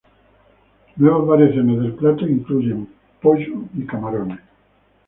Nuevas variaciones del plato incluyen pollo y camarones.